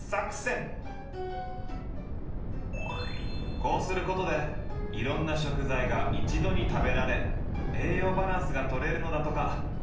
こうすることでいろんな食材が一度に食べられ栄養バランスが取れるのだとか。